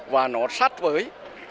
và nó sát với